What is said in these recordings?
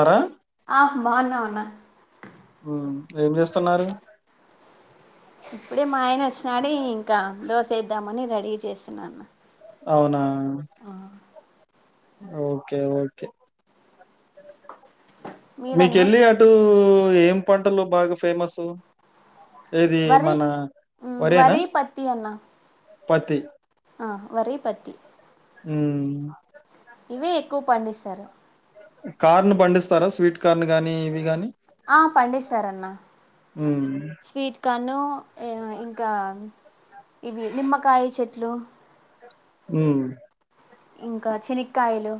అర అ బాన్నామన్న. ఉమ్ ఏం జేస్తన్నారు. ఇప్పుడె మ ఆయనొచ్చినాడీ ఇంక దోసేద్దామని రెడీ చేస్తున్నా అన్న. ఔనా. ఆ, ఓకే ఓకె. మీరన్నా మీకెళ్ళి అటూ ఏం పంటలు బాగ ఫేమస్సు. ఇదీ వరి మన మ్, వరేన వరి పత్తి అన్న పత్తి ఆ వరి పత్తి. ఊమ్. ఇవే ఎక్కువ్ పండిస్సారు. కార్న్ పండిస్తార స్వీట్కార్న్ గానీ ఇవి గాని. ఆ పండిస్తారన్న. ఉమ్ స్వీట్ కాన్నూ ఏమొ ఇంకా ఇవి నిమ్మకాయ చెట్లు. ఉమ్. ఇంక చెనిక్కాయలు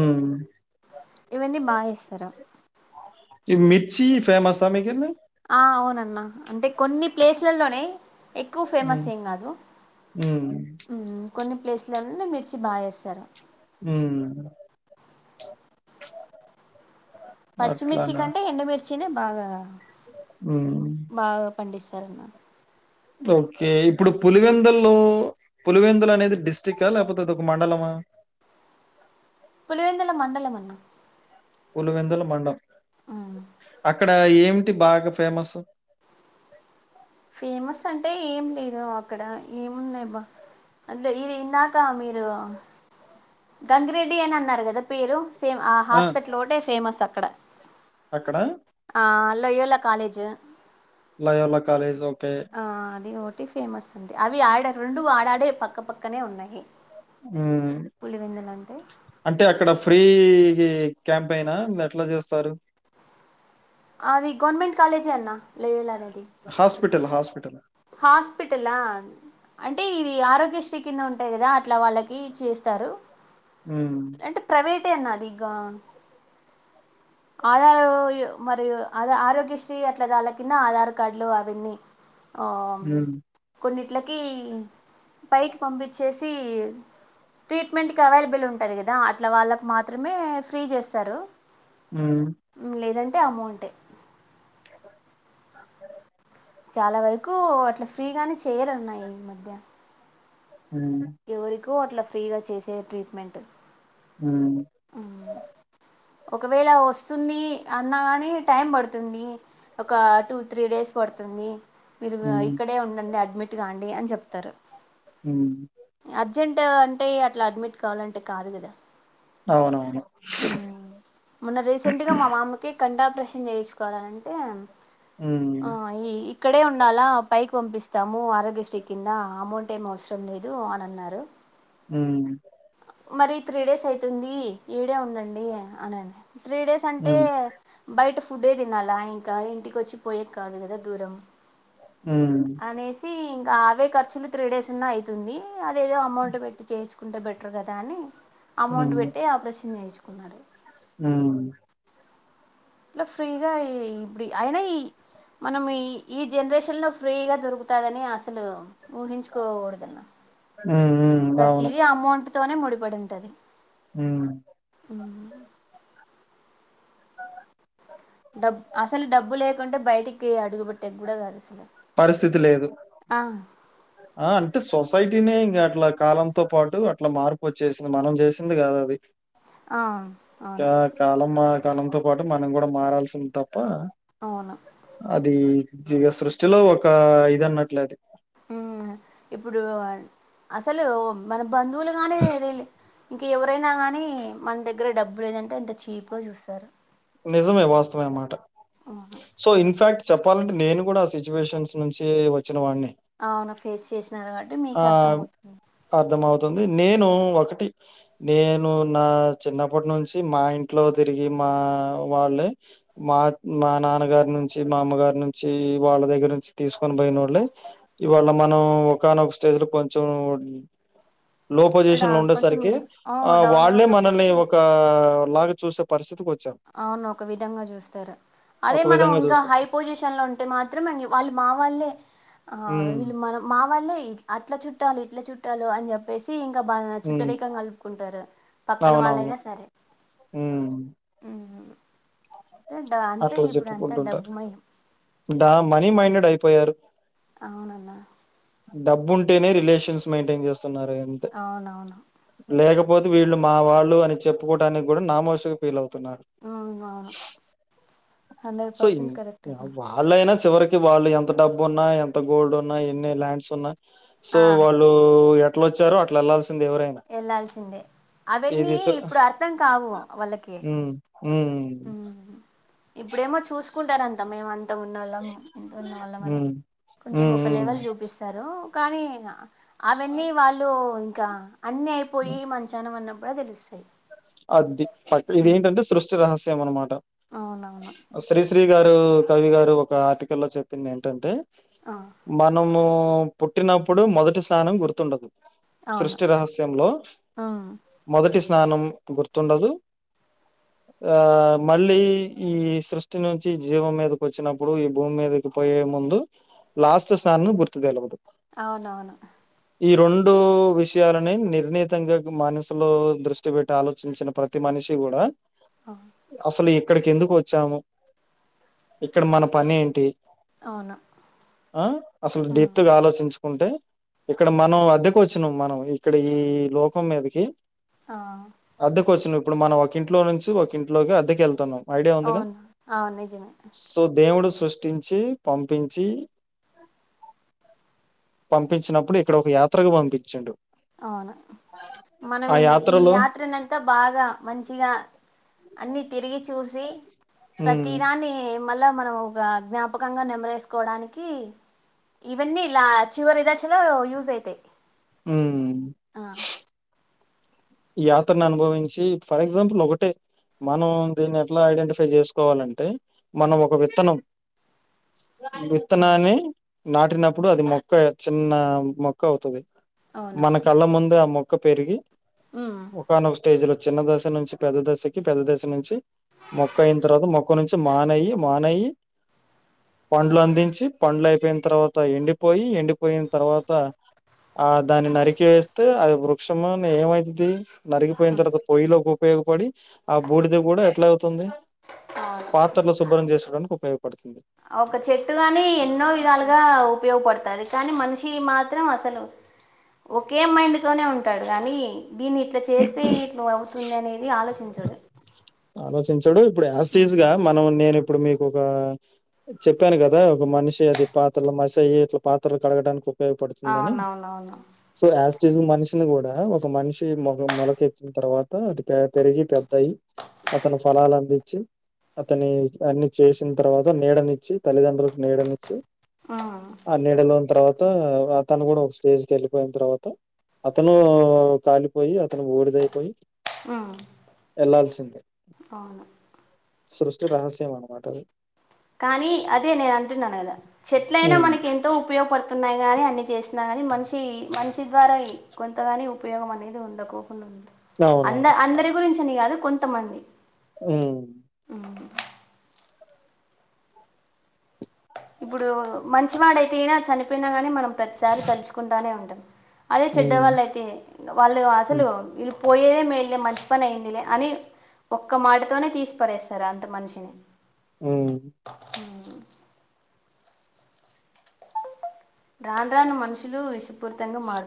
ఉమ్ ఇవన్ని బాగేస్తరు. ఇమ్మిర్చీ ఫేమస్సా మికెళ్ళి ఆ ఔనన్న అంటె కొన్ని ప్లేస్లల్లొనె ఎక్కువ్ ఉమ్ ఫేమస్సేమ్ గాదు ఉమ్ ఊమ్ కొన్ని ప్లేస్ లన్ని మిర్చి బాగేస్తరు. ఊమ్. పచ్చిమిర్చి కంటె ఎండుమిర్చీనె బాగా ఉమ్ బాగ పండిస్ తల్న ఓక్కే ఇప్పుడు పులివెందల్లో పులివెందులనేది డిస్టిక్క లేక్పొతె అదొక మండలమా. పులివెందుల మండలమన్న. పులివెందుల మండం అక్కడ్ డా ఏమిటి బాగా ఫేమస్సు. టే ఏం లేదు అక్కడ ఏమున్నాయ్బ అందె ఈరిందాకా మీరు గంగిరెడ్డి అనన్నారా గద పేరు సేమ్ ఆ హాస్పెట్ల్ ఒగ్టే ఫేమస్సక్కడ. అక్కడా ఆ లొయోల కాలేజ్ లయోలా కాలేజొప్ ఆ అది ఒగ్టి ఫేమస్సండి అవి ఆడ రొండు ఆడాడే పక్కపక్కనే ఉన్నయ్. భమ్ అంటె అక్కడ ఫ్రీ కి క్యాంపైన [unintelligible] దట్ల జేస్తారు. ఆది గోన్మెంట్ కాలేజే అన్న లొయోల అనేద్ హాస్పిటల్ హాస్పిటల్. హాస్పిటలా అంటె ఇ ది ఆరోగ్యశ్రీ కింద ఉంటయ్ గదా అట్లా వాళ్ళకి చేస్తారు. ఉ టే నదిగా ఆధారు మరియు ఆరోగ్యశ్రీ అట్లా దాని కింద ఆధార్ కార్డులు అవన్నీ. ఓ హ్మ్. కొన్నిట్లాకి పైకి పంపించేసి ట్రీట్మెంట్కి అవైలబుల్ ఉంటుంది కదా అట్లా వాళ్ళకు మాత్రమే ఫ్రీ చేస్తారు. ఉ లేదంటే అమౌంటే [inaudible] చాలా వరకు అట్లా ఫ్రీగానే చేయరన్నా ఈ మధ్య ఉ క్కు అట్లా ఫ్రీగా చేసే ట్రీట్మెంట్ ఉ ఒకవేళ వస్తుంది అన్నా గాని టైం పడుతుంది ఒక టూ త్రీ డేస్ పడుతుంది మీరు హ్మ్. ఇక్కడే ఉండండి అడ్మిట్ కాండి అని చెప్తారు. ఉ అర్జెంటు అంటే అట్లా అడ్మిట్ కావాలంటే కాదు కదా. అవునవును. ఉ మన్న రీసెంట్గా మా మామకి కంటి ఆపరేషన్ చేయించుకోవాలంటే హ్మ్. ఆ ఇ ఇక్కడే ఉండాలా పైకి పంపిస్తాము ఆరోగ్యశ్రీ కింద అమౌంట్ ఏం అవసరం లేదు అని అన్నారు. ఉ మరి త్రీ డేస్ అయితుంది ఎ ఇడే ఉండండి అని అన త్రీ డేస్ అంటే హ్మ్. బయట పు ఫుడే తినాలా ఇంకా ఇంటికి వచ్చి పోయేది కాదు కదా దూరం. హ్మ్. అనేేసి ఇగ అవే ఖర్చులు త్రీ డేస్ ఉన్నా అయితుంది అదేదో అమౌంట్ పెట్టి చేయించుకుంటే బెటర్ కదా అని. అమౌంట్ పెట్టే ఆపరేషన్ చేయించుకున్నాడు ఉ ఇట్లా ఫ్రీగా ఈ ఇప్పుడు అయినా ఈ మనం ఈ ఈ జనరేషన్లో ఫ్రీగా దొరుకుతదని అసలు ఊహించుకోకూడదన్న హ్మ్. హ్మ్. అవును. ప్రతిదీ అమౌంట్ తోనే ముడిపడి ఉంటది. ఉ ఉ డబ్ అసలు డబ్బు లేకుంటే బయటికి అడుగుబట్టేకి కూడా కాదు. అసలు పరిస్థితి లేదు ఆ ఆ అంటే సొసైటీనే ఇంకా అట్లా కాలంతో పాటు అట్లా మార్పు వచ్చేసింది మనం చేసింది కాదు అది. ఆ అవును క్యా కాలమ కాలంతో పాటు మనం కూడా మారాల్సింది తప్ ప్ప అవును అది ఇగ సృష్టిలో ఒక ఇది అన్నట్లే అది ఉమ్ ఇప్పుడు అసలు మన బంధువులుగాని రిలే ఇంకా ఎవరైనా కానీ మన దగ్గర డబ్బు లేదంటే ఇంత చీప్గా చూస్తారు. నిజమే వాస్తవే ఆ మాట అవును సో ఇన్ఫాక్ట్ చెప్ చెప్పాలంటే నేను కూడా సిచ్యువేషన్స్ నుంచి వచ్చిన వాడినే. అవునా ఫేస్ చేసినారు కాబట్టి మీకి అర్థం అవుతుంది. తుంది నేను ఒకటి నేను నా చిన్నప్పటి నుంచి మా ఇంట్లో తిరిగి మా మా వాళ్ళే మా మా నాన్నగారి నుంచి మా అమ్మగారి నుంచి వాళ్ళ దగ్గర క్స్ తీసుకొని పోయిన వాళ్ళే ఇవాళ మనం ఒకానొక స్టేజ్ లో కొంచెం లో పొజిషన్ అ లో కొంచెం ఉండేసరికి ఆ డౌన్లో వాళ్ళే మనల్ని ఉన్నప్పటికీ ఒక లాగా చూసే పరిస్థిత్ అవును ఒక విధంగా చూస్తారు. అదే ఒక మనం విధంగా ఇంకా చూస్తే హై పొజిషన్ లో ఉంటే మాత్రం ఇంగ వాళ్ళు మా వాళ్ళే ఆ హ్మ్. వీళ్ళు మన మా వాళ్ళే అట్లా చుట్టాలు ఇట్ల చుట్టాలు అని చెప్పేసి ఇంక బాగా హ్మ్. చుట్టరికం కలుపుకుంటారు పక్కన వాళ్ళైనా సరే ఉమ్ ఉమ్ అంటే డ- అంతే అట్లా ఇప్పుడు అంతా డబ్బు చెప్పుకుంటుంటారు మయం ద మనీ మైండెడ్ అయిపో పోయారు అవునన్నా డబ్బు ఉంటేనే రిలేషన్స్ మెయింటైన్ చేస్తున్నారు ఇగ అంతే అవునవును లేకపో పోతే వీళ్ళు మా వాళ్ళు అని చెప్పుకోవడానికి గూడా నామోషీగా ఫీల్ అవుతున్నారు. ఆహా hundred so, in percent correct అన్న వాళ్ళైనా చివరికి వాళ్ళు ఎంత డబ్బు ఉన్నా ఎంత గోల్డ్ ఉన్నా ఎన్ని ల్యాండ్స్ ఉన్నా సో ఆ వాళ్ళు ఎట్లా వచ్చారో అట్లా వెళ్లాల్సిం వెళ్లాల్సిందే అవన్నీ ఇది స ఇప్పుడు అర్థం కావు వాళ్ళకి ఊ ఉమ్ ఉమ్ ఇప్పుడేమో చూసుకుంటారంతా మేమం త ఉన్నోళ్ళం ఇంత ఉన్నోళ్ళం అని హ్మ్. కొంచెం హ్మ్. ఒక లేవెల్ హ్మ్. చూపిస్తారు. కానీ అవన్నీ వాళ్ళు ఇంకా అన్ని అయిపోయి మంచానా పడినప్ ప్పుడు తెలుస్తాయి. అద్ది ప ఇది ఏంటంటే సృష్టి రహస్యం అనమాట అవునవును శ్రీశ్రీ ఎవరో కవి గారు ఒక ఆర్టికల్ లో చెప్పింది ఏంటంటే ఆ మనము పుట్టినప్పుడు మొదటి స్నానం గుర్తుండదు. అవును సృష్టి రహస్యంలో ఉమ్ మొదటి స్నానం గుర్తుండదు ఆ మళ్ళీ ఈ సృష్టి నుంచి జీవం మీదకి వచ్చినప్పుడు ఈ భూమి మీదకి పోయే ముందు లాస్ట్ స్నానం గుర్తు తెలవదు. అవునవును ఈ రెండు విషయాలని నిర్ణీతంగా మనసులో దృష్టి పెట్ ట్టి ఆలోచించిన ప్రతి మనిషి గూడా అసలు ఇ క్కడికి ఎందుకు వచ్చాము ఇక్కడ మన పని ఏంటి అవును ఆ అసలు ఉమ్ డెప్త్ గా ఆలోచించు ఉంటే ఇక్కడ మనం అద్దెకు వచ్చినాం మనం ఇక్కడ ఈ లోకం మీదకి ఆ అద్దెకు వచ్చినప్పుడు మనం ఒక ఇంట్లో నుంచి ఒక ఇంట్లోకి అద్దెకు వెళ్తున్నాం. ఐడియా ఉందిగా అవును అవును నిజమే సో దేవుడు సు సృష్టించి పంపించి పంపిచ్చినప్పుడు ఇక్కడ ఒక యాత్రకు పంపిచ్చిండు. అవును మనం ఈ ఈ యాత్రలో యాత్ [unintelligible] వెళ్తే బాగా మంచిగా అన్ని తిరిగి చూసి హ్మ్. ప్రతీదాన్ని మళ్ళా మనం ఒక జ్ఞాపకంగా నెమరేసుకోవడానికి ఇవన్నీ ఇలా చివరి దాశలో యూజ్ అయితాయి. ఉ ఆ యాత్రను అనుభవించి ఫర్ ఎగ్జాంపుల్ ఒకటే మనం దీన్ని ఎట్లా ఐడెంటిఫై చేసుకోవాలంటే మనం ఒక విత్తనం అవును విత్తనాన్ని నాటినప్పుడు అది మొక్క చిన్న మొక్క అవుతది అవును మన కళ్ళ ముందే ఆ మొక్క పెరిగి ఉమ్ ఒకానొక స్టేజ్లో చిన్న దశ నుంచి పెద్ద దశకి పెద్ద దశ నుంచి మొక్క అయిన తర్వాత మొక్క నుంచి మానయి మానయ్యి పండ్లు అందించి పండ్లు అయిపోయిన తర్వాత ఎండిపోయి ఎండిపోయిన తర్వాత ఆ దాన్ని నరికేస్తే అది వృక్షం ఏమైతది నరికిపోయిన తర్వాత పొయ్యిలో కూ ఉపయోగపడి ఆ బూడిద కూడా ఎట్లా అవుతుంది అవును పాత్రలో శుభ్రం చేసుకొడానికి ఒక చెట్టు గాని ఎన్నో విధాలుగా ఉపయోగపడుతది కానీ మనిషి మాత్రం అసలు ఒకే మైండ్తోనే ఉంటాడు కానీ దీన్ని ఇట్లా చేస్తే ఇట్లా అవుతుంది అనేది ఆలోచించడు ఆలోచించడు ఇప్పుడు యాజిటీస్గా ఉమ్ మనం నేను ఇప్పుడు మీకు ఒక చెప్పాను కదా ఒక మనిషి అది పాత్రలు మసయి ఇట్లా పాత్రలు కడగడానికి ఉపయోగపడుతుందని అవునవునవును సో యాజ్టిస్గా మనిషిని కూ డ ఒక మనిషి మొ మొలకెత్తిన తర్వాత అది పెరిగి పెద్దయి అతను ఫలాలు అందించి అతని అన్ని చేసిన తర్వాత నీడనిచ్చి తల్లిదండ్రులకు నీడనిచ్చు ఉమ్ ఆ నీడలోని తర్వాత త అతను కూడా ఒక స్టేజ్ కి వెళ్ళిపోయిన తర్వాత అతను కాలిపోయి అతను బుడిదయిపోయి ఉమ్ ఎళ్లాల్సి అవును సృష్టి రహస్యం అనమాట అది కానీ అదే నేను అంటున్నాను కదా చెట్లయినా హ్మ్. మనకి ఎంతో ఉపయోగపడుతు న్నాయి కానీ అన్ని చేసినా గాని మనిషి మనిషి ద్వారా కొంతగాని ఉపయోగం అనేది ఉండకోక్ అవునవును. అంద అందరి గురించి అని కాదు కొంతమంది ఉ ఇప్పుడు మంచివాడు అయితేయినా చనిపోయినా గాని మనం ప్రతిసారి తలుచుకుంటానే ఉంటాం అదే చెడ్డ హ్మ్. వాళ్ళ అయితే వాళ్ళు హ్మ్. అసలు పోయేదే మేల్లే మంచి పని అయిందిలే అని ఒక్క మాటతోనే తీసిపరేస్తారు అంత మనిషిని ఉ రాను రాను మనుషులు విష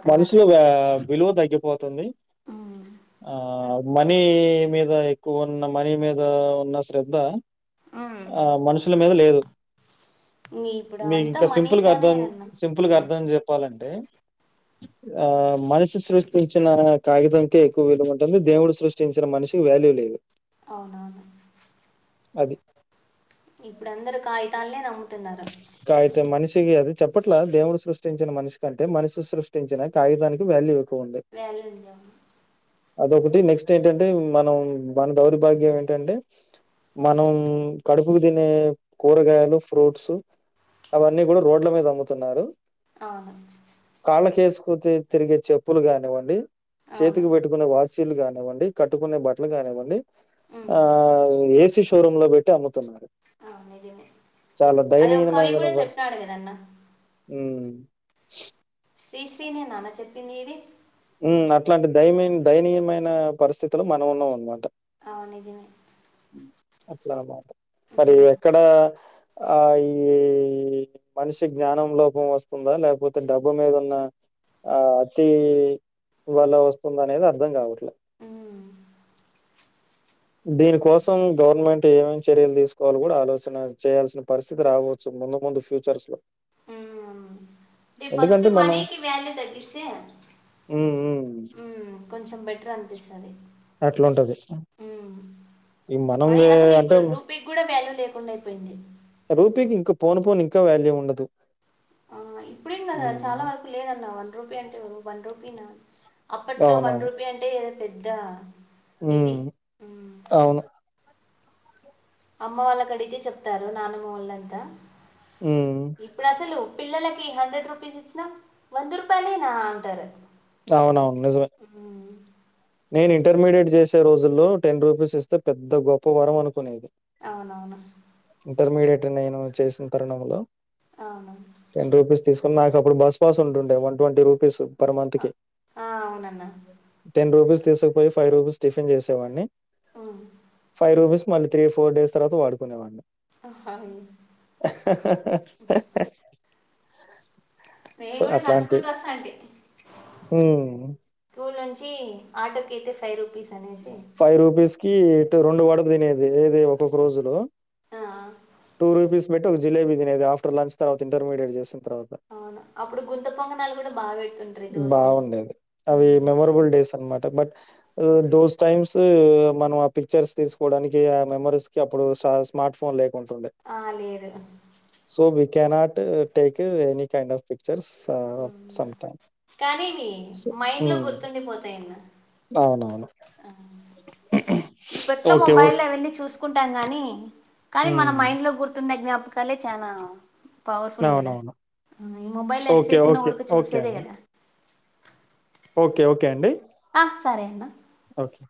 మనుసులుగా విలువ తగ్గిపోతుంది ఉమ్ ఆ మనీ మీద ఎక్కువ ఉన్న మనీ మీద ఉన్న శ్రద్ధ ఉమ్ ఆ మనుషుల మీద లేదు ఇంగ ఇప్పుడు మీకు అంతా ఇంకా సింపుల్గా మనీతోనే అర్థం అన్న సింపుల్ గా పని అర్థం చెప్పాలంటే ఆ మనిషి సృష్టించిన కాగితంకే ఎక్కువ విలువ ఉంటుంది దేవుడు సృష్టించిన మనిషి వాల్యూ లేదు అవునవును అది. తల్నే నమ్ముతున్నారు కాగితం మనిషికి అది చెప్పట్ల దేవుడు సృష్టించిన మనిషి కంటే మనసు సృష్టించిన కాగిదానికి వాల్యూ ఎక్కువుంది. వాల్యూ ఉందా అదొకటి నెక్స్ట్ ఏంటంటే మనం మన దౌర్భాగ్యం ఏంటంటే మనం కడుపుకు తినే కూరగాయలు ఫ్రూట్స్ అవన్నీ కూడా రోడ్ల మీద అమ్ముతున్నారు అవును కాళ్ళకేసుకు తిరిగే చెప్పులు కానివ్వండి అవును చేతికి పెట్టుకునే వాచ్ వాచీలు కానివ్వండి కట్టుకునే బట్టలు కానివ్వండి ఉమ్ ఆ ఏస్ షోరూమ్ లో పెట్టి అమ్ముతున్నారు అవు ఐపేంది చాలా అదే ఒక కవి దయనీయమైన కూడా చెప్పాడు కదన్నా. ఉమ్ శ్రీశ్రీ నే నన్న చెప్పింది ఇది ఉమ్ అట్లాంటి దయమైన్ దయనీయమైన పరిస్థితులో మనం ఉన్నాం అనమాట అవును నిజమే అట్లా అన్మాట మరి ఉమ్ ఎక్కడ? ఆ ఈ మనిషి జ్ఞానం లోపం వస్తుందా లేకపోతే డబ్బు మీద ఉన్న ఆ తెవి వల్ల వస్తుందానేది అర్థం కావట్ల ఉమ్ దీని కోసం గౌర్ గవర్నమెంట్ ఏమేం చర్యలు తీసుకోవాలి కూడా ఆలోచన చేయాల్సిన పరిస్థితి రావచ్చు ముందు ముందు ఫ్యూచర్స్ లో ఈ ఫస్ట్ ఎందుకంటే మనం మనకి వాల్యూ తగ్గిస్తే హ్మ్. హ్మ్. ఉమ్ కొంచెం బెటర్ అనిపిస్తది అట్లుంటది ఉమ్ ఈ మనీ మనంగే అసలు అంటే ఇప్పుడు రూపీకి కూడా వాల్యూ లేకుండా అయిపోయింది రూపీకి ఇంకా పోను పోను ఇంకా వ్యాల్యూ ఉండదు. ఆ ఇప్పుడేం కదా చాలా హ్మ్. వరకు లేదన్న వన్ రూపాయి అంటే వన్ రూపీ నా అప్పట్లో వన్ అవునవును. రూపీ అంటే ఏదో పెద్ద ఇది హ్మ్. ఉమ్ అవును. అమ్మ వాళ్ళకు అడిగి చెప్తారు నానమ్మ వాళ్ళంతా హ్మ్. ఇప్పుడు అసలు పిల్లలకి హండ్రెడ్ రూపీస్ ఇచ్చినా వంద రూపాలేనా అంటారు అవునవును నిజమే హ్మ్. నేను ఇంటర్మీడియట్ చేసే రోజుల్లో టెన్ రూపీస్ ఇస్తే పెద్ద గొప్ప వరం అనుకునేది అవునవును. ఇక నేను చేసిన తరుణంలో అవును నాకు అప్పుడు బస్ పాస్ ఉంటుండే one twenty rupees per month అ కి ఆ అవునన్నా. రూపీస్ తీసుకుపోయి ఫైవ్ రూపీస్ టిఫిన్ చేసేవాడిని హ్మ్. ఫైవ్ రూపీస్ మళ్ళీ త్రీ ఫోర్ డేస్ తర్వాత వాడుకునేవాడిని. మేము కూడా నడ్చుకుంటా వస్తాంటి ఉమ్ స్కూల్ నుంచి ఆటోకి కిట్ ఫైవ్ రూపీస్ అనేసి ఫైవ్ రూపీస్ కి రెండు వడలు తినేది ఏది ఒక్కొక్క రోజులో ఆ టూ రూపీస్ పెట్టి ఒక జిలేబీ తినేది ఆఫ్టర్ లంచ్ తర్వాత ఇంటర్మీడియట్ చేసిం అవును అప్పుడు గుంత పొంగనాలు కూడా బెట్ బాగుండేది అవి మెమరబుల్ డేస్ అన్మా బట్ దోస్ టైమ్స్ మనం ఆ పిక్చర్స్ తీసుకోవడానికి ఆ మెమరీస్ కి అప్పుడు స్ స్ స్మార్ట్ ఫోన్ లే ఆ లేదుగా so, we cannot take any kind of pictures some time కానీ ఇవి సో మైండ్ లో హ్మ్. గుర్తుండిపోతాయి అన్న అవునవును ఇప్పట్లో ఓకే. Mobile okay. అవన్నీ చూసుకుంటాం గాని కానీ మన హ్మ్. మైండ్ లో గుర్తున్న జ్ఞాపకాలే చాలా పవర్ఫుల్ కదా అవునవును. అవున ఈ మొబైల్ ఓకే. ఎంతసేపు ఉన్న ఓకే. ఉరికే ఓకే చూసేదే అండి. కదా ఓకే ఓకే అండి ఆ సరే అన్న ఓకే